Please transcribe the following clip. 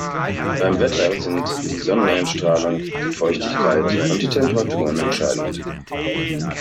Beim Wetter sind die Sonneneinstrahlung, die Feuchtigkeit und die Temperaturen entscheidend.